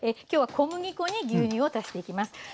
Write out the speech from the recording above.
今日は小麦粉に牛乳を足していきます。